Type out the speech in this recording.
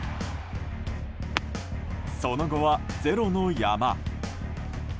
その後は、０の山。